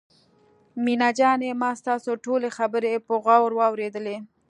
مينه جانې ما ستاسو ټولې خبرې په غور واورېدلې.